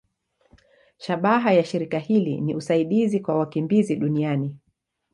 Shabaha ya shirika hili ni usaidizi kwa wakimbizi duniani.